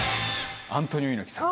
アントニオ猪木さん。